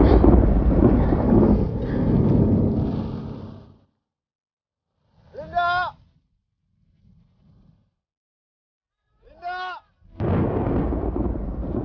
hai aku biarin aja deh